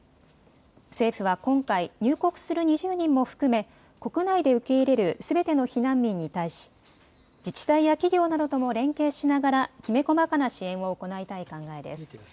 政府は今回入国する２０人も含め国内で受け入れるすべての避難民に対し自治体や企業などとも連携しながらきめ細かな支援を行いたい考えです。